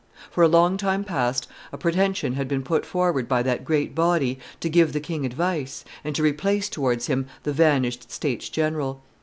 For a long time past a pretension had been put forward by that great body to give the king advice, and to replace towards him the vanished states general.